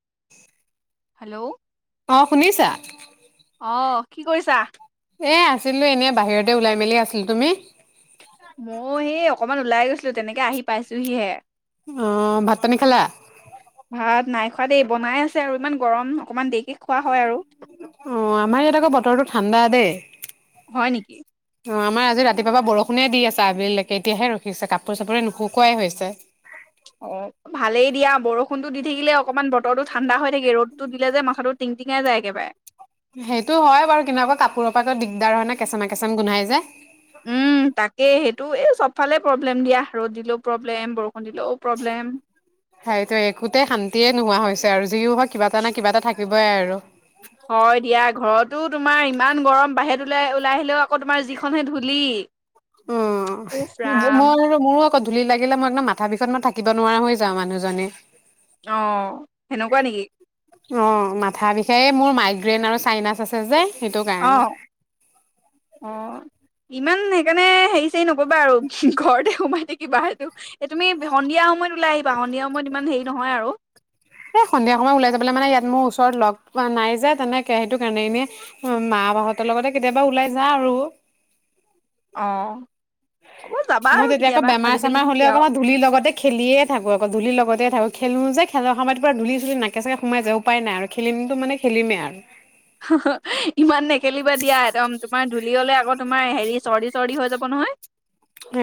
[unintelligible] Hello অ শুনিছা অ' কি কৰিছা? এ আছিলো এনেই বাহিৰতে ওলাই মেলি আছিলো। তুমি? ময়ো সেই অকমান ওলাই গৈছিলো তেনেকে আহি পাইছোহিহে। অ ' ভাত-পানী খালা? ভাত নাই দেই বনাই আছে আৰু ইমান গৰম অকমান দেৰিকে খোৱা হয় আৰু। অ' আমাৰ ইয়াত আকৌ বতৰটো ঠাণ্ডা দেই। হয় নেকি? অ' আমাৰ আজি ৰাতিপুৱাপা বৰষুণে দি আছে আবেলিলৈকে এতিয়াহে ৰখিছে কাপোৰ চাপোৰে নোসোকোৱাই হৈছে। অ 'ভালেই দিয়া বৰষুণতো দি থাকিলে অকনমান বতৰো ঠাণ্ডা হৈ থাকে ৰ'দতো দিলে যে মাথাটোত টিং তিঙাই যায় একেবাৰে। সেইটো হয় বাৰু কিন্তু কাপোৰৰ পৰা দিগদাৰ হয় নে, কেঁচামা কেঁচামা গোন্ধাই যে উম, তাকে সেইটো সেইটো এই চবফালে প্ৰব্লেম দিয়া, ৰদ দিলেও প্ৰব্লেম, বৰষুণ দিলেও প্ৰব্লেম সেইটো একোতে শান্তিয়ে নোহোৱা হৈছে আৰু যি হত কিবা এটা নহয়, কিবা এটা থাকে। থাকিবই আৰু হয় দিয়া ঘৰতো তোমাৰ ইমান গৰম, বাহিৰত ওলাই‌ ওলাই আহিলেও আকৌ তোমাৰ যিখনহে ধূলি উম, উফ ৰাম [unintelligible] ক'ত ধূলি লাগিলে, মই একদম মাথা বিষত, মই থাকিব নোৱাৰা হৈ যাওঁ, মানুহজনী অ', সেনেকুৱা নেকি? অ', মাথা বিষায়। এ, মোৰ মাইগ্ৰেইন আৰু চাইনাচ আছে যে সেইটো কাৰণে। অ', অ', ই ইমান সেইকাৰণে, হেৰি-চেৰি নকৰিবা আৰু, ঘৰতে সোমাই থাকিবা। এইটো, এই তুমি সন্ধিয়া সময়ত ওলাই আহিবা, সন্ধিয়া সময়ত ইমান হেৰি নহয় আৰু এ, সন্ধিয়া সময়ত ওলাই যাবলৈ মানে, ইয়াত মোৰ ওচৰত লগ পোৱা নাই যে, তেনেকে, সেইটো কাৰণে এনে, মা-বাহঁতৰ লগতে কেতিয়াবা ওলাই যাওঁ আৰু অ'। হ'ব যাবা মোৰ আৰু তেতিয়া আকৌ, কেতিয়াবা বেমাৰ-চেমাৰ আজিকালিনো কি হ'লেও আকৌ, আৰু মই ধূলিৰ লগতে খেলিয়ে থাকো, আকৌ ধূলিৰ লগতে থাকো। খেলো যে, খেলৰ সময়ত পুৰা ধূলি-চুলি নাকে-চাকে সোমাই যায়, উপায় নাই আৰু, খেলিমটো মানে খেলিমেই আৰু ইমান নে খেলিবা দিয়া একদম, তোমাৰ ধূলি হ'লে আকৌ, তোমাৰ হেৰি, চৰ্দি-চৰ্দি হৈ যাব নহয়।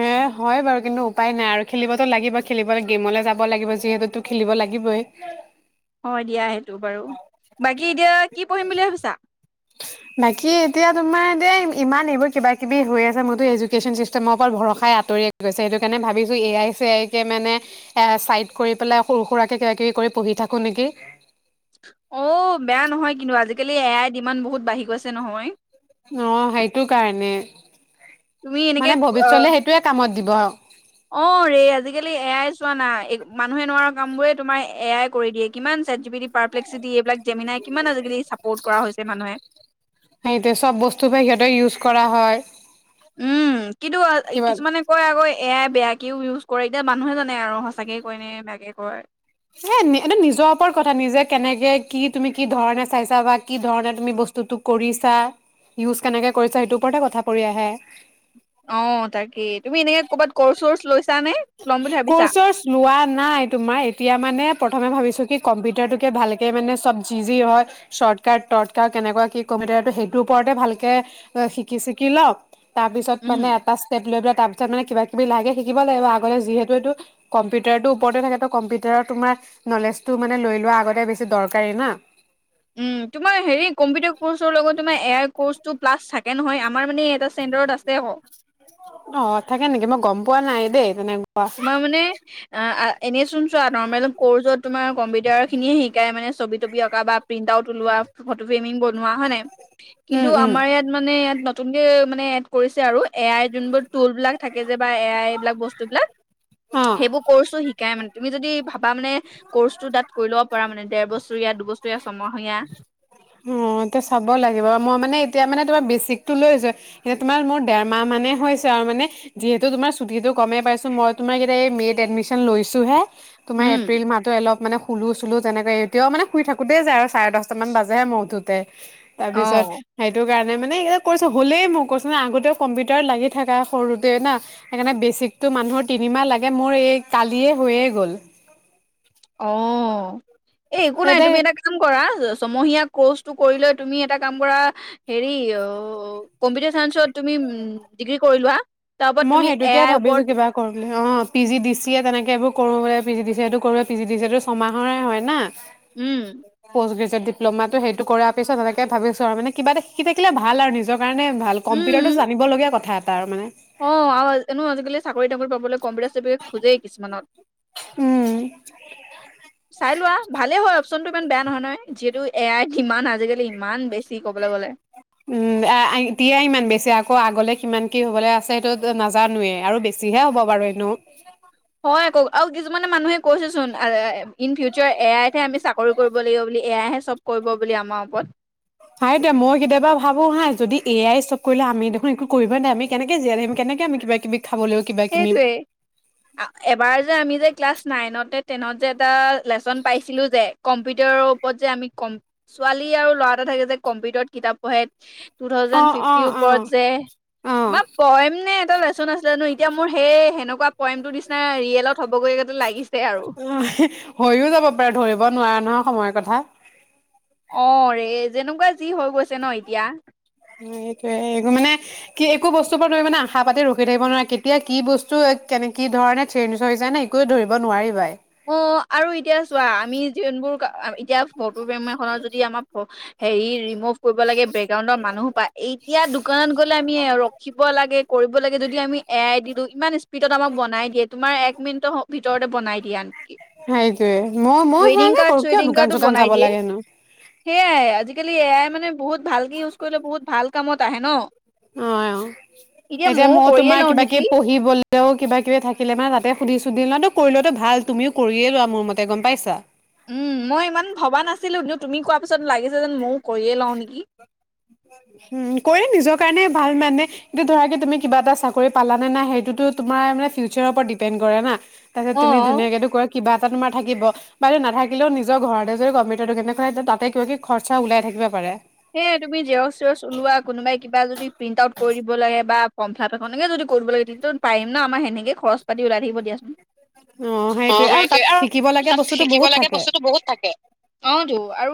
এ, হয় বাৰু, কিন্তু উপায় নাই আৰু খেলিবতো লাগিবই, খেলিবলৈ, গেমলে যাব লাগিব যিহেতুতো খেলিব লাগিবই। হয়, দিয়া, সেই টো বাৰু, বাকী এতিয়া, কি পঢ়িম বুলি ভাবিছা? বাকী এতিয়া তোমাৰ ইমান এইবোৰ কিবা কিবি হৈ আছে মোৰটো এডুকেশ্বন চিষ্টেমৰ ওপৰত ভৰসা আঁতৰি গৈছে এইটোকৰণে ভাবিছোঁ এ আই চে আইকে মানে চাইট কৰি পেলাই সৰু সুৰাকে কিবা কিবি কৰি পঢ়ি থাকোঁ নেকি? অ' বেয়া নহয় কিন্তু আজি আজিকালি এ আই ডিমান বহুত বাঢ়ি গৈছে নহয়। অ সেইটো কাৰণে। তুমি এনেকে মানে অ ভৱিষ্যলে সেইটোয়ে কামত দিব। অ ৰে আজিকালি এ আই চোৱা না মানুহে নোৱাৰা কামবোৰে তোমাৰ এ আই কৰি দিয়ে কিমান চেট জিপিটি পাৰ পেলেক্সিটি এইবিলাক জেমেনাই কিমান আজিকালি চাপৰ্ট কৰা হৈছে মানুহে। সেইটোৱে চব বস্তু পৰা সিহঁতে ইউজ কৰা হয়। উম! কিন্তু কিবা কিছুমানে কয় আকৌ এ আই বেয়াকেও ইউজ কৰে এতিয়া মানুহে জানে আৰু সঁচাকে কয় নে বেয়াকে কয়। এ, নি এইটো নিজৰ ওপৰত কথা নিজে কেনেকে কি তুমি কি ধৰণে চাইছা বা কি ধৰণে তুমি বস্তুটো কৰিছা, ইউজ কেনেকে কৰিছা সেইটোৰ ওপৰতে কথা পৰি আহে। অ তাকে, তুমি এনেকে কৰ'বাত কৰ্চ চৰ্চ লৈ কৰ্চ চৰ্চ লোৱা নাই তোমাৰ এতিয়া মানে প্ৰ থমে ভাবিছোঁ কি কম্পিউটাৰটোকে ভালকে মানে চব যি যি হয় শ্বৰ্টকাট টৰ্টকাৰ্ট কেনেকুৱা কি কম্পিউটাৰটো সেইটোৰ ওপৰতে ভালকে শিকি চিকি লওঁ। তাৰপিছত উম মানে এটা ষ্টেপ লৈ পেলাই তাৰপিছত মানে কিবা বিলাকে শিকিব লাগিব। যিহেতু এইটো কম্পিউটাৰটোৰ ওপৰতে থাকে ত কম্পিউটাৰত তোমাৰ নলেজটো মানে লৈ লোৱা আগতে বেছি দৰকাৰী না। উম! তোমাৰ হেৰি কম্পিউটাৰ কৰ্চৰ লগত তোমাৰ এ আই কৰ্চটো প্লাছ থাকে নহয় আমাৰ মানে এটা চেন্টাৰত আছে আকৌ। অ থাকে নেকি? মই গম পোৱা নাই দেই তেনে তোমাৰ মানে আহ-আহ এনেইছোন চোৱা নৰ্মেল কৰ্চত তোমাৰ কম্পিউটাৰৰ খিনিয়ে শিকাই মানে ছবি টবি অঁকা বা প্ৰিণ্ট আউট ওলোৱা, ফটো ফ্ৰেমিং বনোৱা, হয় নাই? উম কিন্তু উম আমাৰ ইয়াত মানে ইয়াত ন তুনকে মানে এড কৰিছে আৰু এ আই যোনবোৰ টুল বিলাক থাকে যে বা এ আই এইবিলাক বস্তু বিলাক। অ'। সেইবোৰ কৰ্চও শি কাই মানে। তুমি যদি ভাব বা মানে কৰ্চটো তাত কৰি ল'ব পৰাৰ মানে দেৰ বছৰীয়া দুবচৰিয়া অ এতিয়া চাব লাগিব মই মানে এতিয়া মানে তোমাৰ বেচিকটো লৈছোঁ, এইয়া তোমাৰ মোৰ ডেৰমাহ মানেই হৈছে আৰু মানে যিহেতু তোমাৰ ছুটীটো গমেই পাইছোঁ মই তোমাক এতিয়া এই মে' ত এডমিশ্যন লৈছোঁহে। তোমাৰ উম এপ্ৰিল মাহটো অলপ মানে শুলো চুলো যেনেকৈ এতিয়াও মানে শুই থাকোঁতে যাই আৰু চাৰে দশটামান বাজে মই উঠোতে। তাৰপিছত অ' সেইটো কাৰ মানে এই কোৰ্চ হ'লেই মই কৈছোঁ ন আগতেও কম্পিউটাৰত লাগি থাকা সৰুতে না সেইকাৰণে বেচিকতটো মানুহৰ তিনিমাহ লাগে মোৰ এই কালিয়ে হৈয়ে গ'ল। অহ' এ একো নাই তুমি সেইটোৱে এটা কাম কৰা ছমহীয়া কৰ্চটো কৰি লৈ তুমি এটা কাম কৰা হেৰি অ কম্পিউটাৰ চাইন্সত তুমি ডিগ্ৰী কৰি লোৱা। তাৰ ওপৰত মই তুমি এ সেইটোকে আইৰ ওপৰত ভাবিছো কিবা কৰো অ' P G D C A তেনেকে এইবোৰ কৰো পিজি দিছে এইটো পিজি দিছে এইটো ছমাহৰে হয় না। উম, নিত ডিপ্লমাটো সেইটো কৰা পিছত তেনেকে ভাবিছো আৰু মানে কিবা এটা শিকি থাকিলে ভাল আৰু নিজৰ কাৰণে ভাল কম্পিটাৰতটো উম জানিবলগীয়া কথা। তাৰ মানে। অ' আৰু এনেও আজিকালি চাকৰি তাকৰি পাবলৈ কম্পিটাৰ চম্পিউতাৰ খোজেই কিছুমানত। উম চাই লোৱা ভালে হয়। অবচন টো ইমান বেয়া নহয় যিহেতু। এ আই ইমান আজিকালি ইমান বেছি কবলৈ গ'লে। উম এতিয়া ইমান বেছি আকৌ আগলে সমান কি হবলৈ আছে সেইটো নাজানোৱে আৰু বেছিহে হ'ব বাৰু এনো। হয় আকৌ আৰু কিছুমানে মানুহে কৈছে চোন। ইন ফিউচাৰ এ আাইতহে আমি চাকৰি কৰিব লাগিব বুলি। এয়াহে চব কৰিব বুলি আমাৰ ওপৰত। সেইটো এতিয়া মই কেতিয়াবা ভাবো হা যদি এ আই চব কৰিলে আমি দেখোন একো কৰিব নাই আমি কেনেকে জীয়াই থাকিম কেনেকে আমি। কিবা কিবি খাবলৈও কিবা কিনিম সেইটোৱে এবাৰ যে আমি যে ক্লাচ নাইনতে। তেনত যে এটা লেচন পাইছিলো যে। কম্পিউটাৰৰ ওপৰত যে আমি কম ছোৱালী আৰু ল'ৰা এটা থাকে যে কম্পিউটাৰত কিতাপ পঢ়ে। টু অ থাউজেণ্ড অ ফিফটিৰ অ ওপৰত যে অ তোমাৰ পইম নে এটা লেচন আছিলে নহয়। এতিয়া মোৰ সেই সেনেকুৱা পইমটো নিচিনা ৰিয়েলত হ'বগৈ গতে লাগিছে আৰু। ন সময়ৰ কথা। অ' ৰে যেনেকুৱা যি হৈ গৈছে ন এতিয়া। এইটোয়ে একো মানে কি একো বস্তুৰ পৰা ধৰি মানে আশা পাতি ৰখি থাকিব নোৱাৰে কেতিয়া কি বস্তু কেনে কি ধৰণে চেঞ্জ যায় নে একোৱে ধৰিব নোৱাৰিবাই। অ', আৰু এতিয়া চোৱা আমি যোনবোৰ এতিয়া ফটো ফেম এখনত যদি আমাৰ হেৰি ৰিম'ভ কৰিব লাগে বেক। বেকগাউণ্ডৰ মানুহসোপায় এতিয়া দোকান গ'লে আমি ৰখিব লাগে কৰিব লাগে যদি আমি এ আই দি দিওঁ ইমান স্পীড। মিনিটত আমাক বনাই দিয়ে তোমাৰ এক মিনিটৰ ভিতৰতে বনাই দিয়ে আন সেইটোয়ে মই -মই সেনোকে কাৰ্ড কৰো কিয় চুৱেডিং দোকান কাৰ্ডো চোকান বনাই যাব দিয়ে লাগে নো। সেয়াই আজিকালি এ আই মানে বহুত ভালকে ইউজ কৰিলে বহুত ভাল কামত আহে ন' অ' অ' এতিয়া ময়ো মই কৰিয়ে তোমাৰ লওঁ কিবা নেকি কিবি পঢ়িবলৈ তেওঁ কিবা কিবি থাকিলে মানে তাতে সুধি চুধি লও ন' তো কৰি লোৱাটো ভাল তুমিও কৰিয়ে লোৱা মোৰ মতে গম পাইছা। উম মই ইমান ভবা নাছিলো তুমি কোৱা পিছত লাগিছে যেন ময়ো কৰিয়ে লওঁ নেকি। কৰিলে নিজৰ কাৰণে ভাল মানে কিন্তু ধ'ৰা তুমি কিবা এটা চাকৰি পালানে নাই সেইটোতো তোমাৰ মানে ফিউচাৰৰ ওপৰত ডিপেণ্ড কৰে না। তাৰপিছত তুমি অ', ধুনীয়াকে টো কৰা কিবা এটা তোমাৰ থাকিব। বাইদে নাথাকিলেও নিজৰ ঘৰতে যদি কম্পিউটাৰ দোকান এখন তাতে কিব কি খৰচা ওলাই থাকিব পাৰে। সেয় তুমি জেৰচ চেৰ ওলোৱা কোনোবাই কিবা যদি প্ৰিন্ট আউট কৰি দিব লাগে বা ফৰ্মফাত এনেকে যদি কৰিব লাগে তে পাৰিম ন আমাৰ সেনেকে খৰচ পাতি ওলাই থাকিব দিয়াচোন অ, সেইটোৱে সেইটো তাত আৰু শিকিব লাগে তাত বস্তুটো শিকিব বহুত লাগে থাকে। বস্তুতটো বহুত থাকে অহ টো আৰু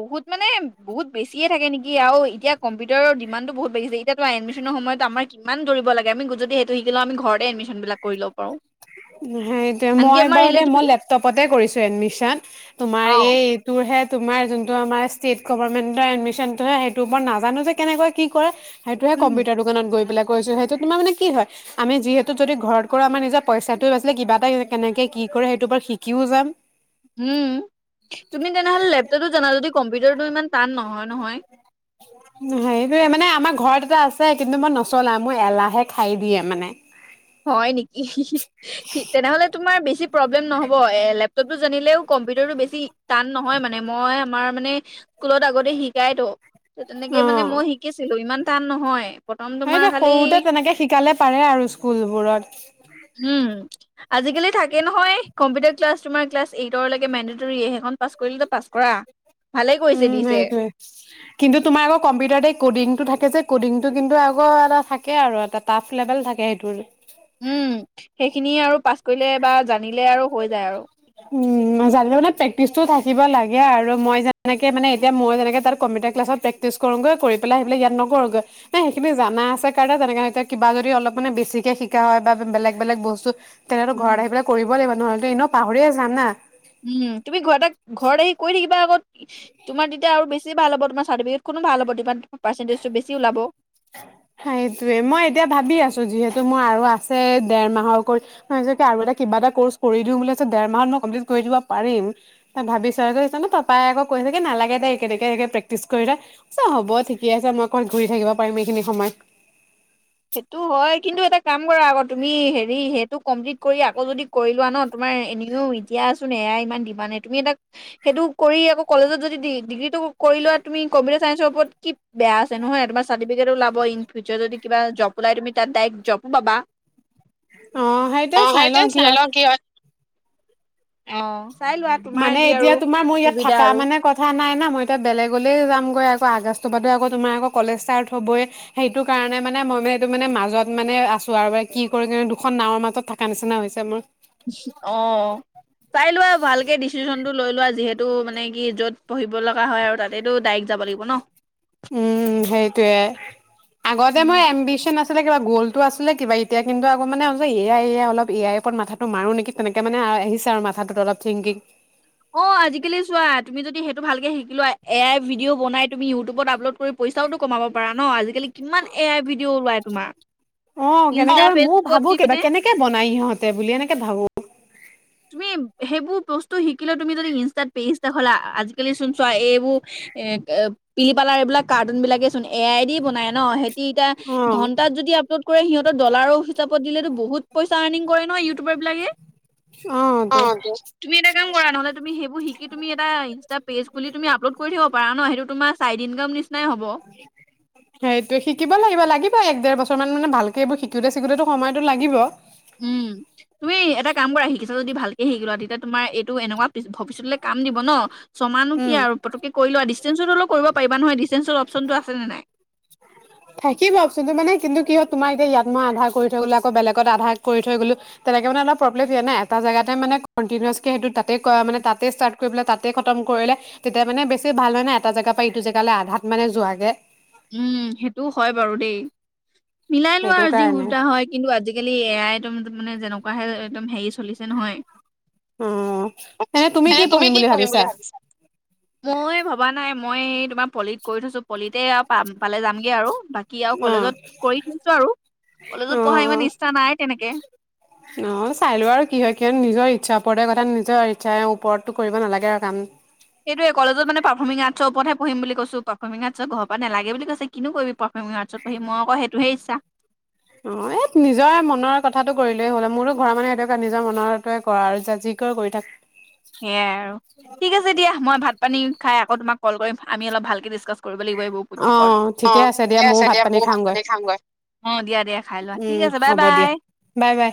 বহুত মানে বহুত বেছিয়ে থাকে নেকি আৰু এতিয়া কম্পিউটাৰৰ ডিমান্দতো বহুত বেছি এতিয়াটো এডমিশ্যন সময়ত আমাৰ কিমান দৌৰিব লাগে আমি যদি সেইটো শিকি লও আমি ঘৰতে এডমিশ্যন বিলাক কৰি ল'ব পাৰো। সেইটোৱে আনকি মই আমাৰ বাৰু দে ৰিলেটিভ মই লপটপতে কৰিছো এডমিশ্যন তোমাৰ অ এই তোমাৰ যোনতো আমাৰ ষ্টেটগবমেনট এডমিশ্যনটোয়ে হেইতো ওপৰত নাজানো যে কেনেকৈ কি কৰে। সেইটোহে উম কম্পউটাৰ দোকানত গৈপিলাই গৈছো সেইটো তোমাৰ মান কি হয় আমি যিহেতু যদি ঘৰত কৰা আমাৰ নিজা পইচাটোে বাছিলে কিবা এটা কেনেকে কি কৰে সেইটোৰওপৰত শিকিও যাম। উম তুমি তেনেহ'লে লেপটপটো জানা যদি কম্পিউটাৰটো ইমান টান নহয় নহয়। হেইটোয়ে মানে আমাৰ ঘৰত আছে কিন্তু মই নচলা মোৰ এলাহে খাই দিয়ে মানে। হয় নেকি? তেনেহ'লে তোমাৰ বেছি প্ৰব্লেম নহব এ লেপটপ টো জানিলেও কম্পিউটাৰ টো বেছি টান নহয় মানে মই আমাৰ মানে স্কুলত আগতে শিকাইতো তো তেনেকে অ মানে মই শিকিছিলো ইমান টান নহয়। প্ৰথম তোমাৰ হেইটে খালি সৰুতে তেনেকে শিকালে পাৰে আৰু স্কুলবোৰত উম, আজিকালি থাকে নহয় কম্পিউটাৰ ক্লাছ তোমাৰ ক্লাছ এইটৰকে মেডটৰ সেইখন পাছ কৰিলো পাছ কৰা। ভালেই কৰিছে উম, দিছে সেইটোয়ে কিন্তু তোমাৰ আকৌ কম্পিউটাৰতে ক'ডিং টো থাকে যে কডিংটো কিন্তু আকৌ এটা থাকে আৰু এটা টাফ লেভেল থাকে সেইটোৰ কিনি আৰুপ পাছ কৰিলে বা জানিলে আৰু হৈ যায় আৰু। উম, জানিলে মানে প্ৰেক্টিচটো থাকিব লাগে আৰু মই যেনেকে মানে এতিয়া মই যেনেকে তাত কম্পিউটাৰ ক্লাছত প্ৰেক্টিচ কৰোগৈ কৰি পেলাই আহি ইয়াত নকৰোগৈ সেইখিনি জনা আছে কাৰণে তেনে এতিয়া কিবা যদি অলপ মে বেছিকে শিকা হয় বা বেলেগ বেলেগ বস্তু তেনে উম। ঘৰত আহি পেলাই কৰিব লাগিব ন'হলে এনেও পাহৰিয়ে যাম না। উম তুমি ঘৰত ঘৰত আহি কৈ থাকিবা আকৌ তোমাৰ তেতিয়া আৰু বেছি চি ভাল হ'ব তোমাৰ চাৰ্টিফেটখনো ভাল হ'ব তিমান সেইটোৱে মই এতিয়া ভাবি আছো যিহে মোৰ আৰু আছে দেৰ মাহৰ কৰি আৰু এটা কিবা এটা কৰ্চ কৰি দিও বুলি‌ছো দেৰ মাহত মই কমপ্লিট কৰি দিব পাৰিম ভাবিছ পাপাই আকৌ কৈছোগে নালাগে দে, একনে প্ৰেক্টিছ কৰিলো হ'ব ঠিক ঠিকেই আছে মই অকন ঘূৰি থাকিব পাৰিম এইখিনি সময়। সেইটো হয়, কিন্তু এটা কাম কৰা আকৌ তুমি হেৰি সেইটো কমপ্লিট কৰি আকৌ যদি কৰি লোৱা ন তোমাৰ এনেও এতিয়াচোন এয়াই ইমান ডিমানেই তুমি এটা সেইটো কৰি আকৌ কলেজত যদি ডিগ্ৰীটো কৰি লোৱা তুমি কম্পিউটাৰ চাইন্সৰ ওপৰত কি বেয়া আছে নহয়, তোমাৰ চাৰ্টিফিকেট উলাব ইনফিউচাৰ যদি কিবা জপ ওলাই তুমি তাত ডাইৰেক্ট জপো পাবা। অ', সেইটোৱে চাই লওঁ কি হয় অ। চাই লোৱা তোমাৰ মানে যি আৰু এতিয়া তোমাৰ মোৰ ইয়াত সুবিধা থকা আৰু মানে কথা নাই ন মই এতিয়া বেলেগলে যামগৈ আকৌ আগষ্ট বাদো আকৌ তোমাৰ আকৌ কলেজ ষ্টাৰ্ট হ'বই সেইটো কাৰণে মানে মই মানে এইটো মানে মাজত মানে আছো আৰু কি কৰি কি দুখন নাৱৰ মাজত থকা নিচিনা হৈছে মোৰ। অ', চাই লোৱা আৰু ভালকে দিছ চিচনতটো লৈ লোৱা যিহেতু মানে কি য'ত পঢ়িব লগা হয়, আৰু তাতেটো ডাইৰেক্ট যাব লাগিব ন। উম, সেইতোৱে। আগতে উম। মই এম্বিচন আছি আছিলে কিবা গ'লটো আছিলে কিবা এতিয়া কিন্তু আকৌ মানে এ এ অলপ এয়াই ওপৰত মাথাটো মাৰো নেকি তেনেক মানে আহিছে আৰু মাথাটোত অলপ থিংকিং অ', আজিকালি চোৱা তুমি যদি সেইটো ভালকে শিকিলোৱা এয়াই ভিডিঅ' বনাই তুমি ইউটিবত আপলোড কৰি পইচাটো কমাব পাৰা ন আজিকালি কিমান এ আই ভিডিঅ ওলাই তোমাৰ অ', ইনষ্টা কেনেকে মানে মোৰ ফেচবুকত ভাবো দি পিনে কেনেকে বনাই ইহঁতে বুলি এনেকে ভাবো তুমি সেইবোৰ বচ তো শিকিলে তুমি‌ যদি ইনষ্টাত পেইজ লা আজিকালি চোন চোৱা এইবোৰ এ পিলি পাৰাৰ এইবিলাক কাৰ্টুন বিলাকে চোন এ আই দি বনাই ন সিহঁতি ইতিয়া অ ঘন্টাত যদি আপলোড কৰে সিহঁতৰ ডলাৰো হিচাপ দিলেতো বহুত পইচা আৰ্নিং কৰে ন ইউটিউবাৰ বিলাকে। অ তুমি এটা কাম কৰা নহলে তুমি সেইবোৰ শিকি তুমি এটা ইনষ্টা পেজ খুলি তুমি আপলোড কৰি থাকিব পাৰা ন সেইটো তোমাৰ চাইদ ইনকাম নিচিনা এ হ'ব। বছৰমান মানে ভালকে এইবোৰ শিকোতে শিকোতে সময়তো লাগিব। উম তুমি এটা কাম কৰা শিকিছা যদি ভালকে শিকলা তেতিয়া তোমাৰ এইটো এনেকুৱা ভৱিষ্যতলৈ কাম দিব ন। চমানো কি উম আৰু পটককে কৰি লোৱা ডিচেন্ঞ্চো অলও কৰিব পাৰিবা নহয় ডিচেন্ঞ্চৰ অপশচনটো আছেনে নাই? থাকিব অপচনটো মানে কিন্তু কি হয় তোমাৰ এতিয়া ইয়াত মই আধা কৰি গ'লো বেলেগত আধা কৰি থই গলো তেনেকে মানে অলপ প্ৰব্লেমিয়ে নাই এটা জেগাতে মানে কনটিনোৱাছ কি সটো তাতে মান তাতে ষ্টাৰ্ট কৰি পেলায় তাতে। কাম কৰিলে তেতিয়া মানে বেছি ভাল হয়হ নে এটা জেগাৰ পৰা ইটো জেগালৈ আধাত মানে যোৱাগে উম সেইটোও হয় বাৰু দেই। মিলাই লোৱা সেইটো আৰু যি কাৰণে সুবিধা হয় কিন্তু আজিকালি এ আই তম মানে যেনেকুৱা। পৰাহে একদম হেৰি চলিছে নহয়। তুমি কি পঢ়িম বুলি ভাবিছা? মই ভবা নাই। মই তোমাৰ পলিত কৰি থৈছো পলিতে আৰু পাম। পালে যামগে আৰু বাকী আৰু অ' কলেজত কৰি থৈছো আৰু কলেজত পঢ়া অ' ইমান ইচ্ছা নাই তেনেকে। অ' চাই লোৱা আৰু কি হয় কি হয় নিজৰ ইচ্ছাৰ ওপৰতে কথা নিজৰ ইচ্ছাৰে ওপৰতটো কৰিব নালাগে আৰু কাম। সেইটোৱে কলেজত মানে পাৰফৰ্মিংৰ্টৰ ওপৰতে পঢ়িম কৈছো পাৰফৰ্মিং আৰ্টছ ঘৰ পৰা নালাগে বুলি কিনো কৰিব পাৰফমিং আৰ্ট পঢি মইঅকৌ সেইটো হে ইটচা। অ এই নিজৰ মনৰ কথাটো কৰিলেই হ'ল মোৰো ঘৰ মানে সেইটোে নিজৰ মনৰটোৱে কৰা আৰু যি কৰি কৰি থাক। সেয়াই আৰু ঠিক আছে দিয়া মই ভাত পানী খাই আকৌ তোমাক কল কৰিম আমি অলপ ভালকে ডিচকাছ কৰিম। কৰিব লাগিব এইবোৰ অ ওপৰত অ ' ঠিকে আছে দিয়া ময়ো ভাত পানী খাওঁ গৈ অ' দিয়া দিয়া খাই লোৱা উম ঠিক আছে বাই হ'ব দিয়া বাই। Bye bye